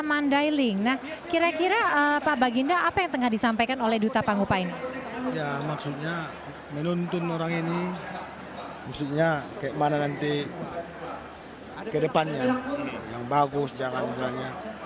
mengambil tempat di posisi saya